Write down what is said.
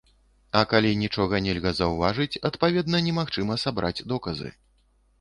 А калі нічога нельга заўважыць, адпаведна, немагчыма сабраць доказы.